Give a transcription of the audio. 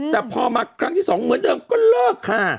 แต่พอมาครั้งที่๒เหมือนเดิมก็เลิกค่ะ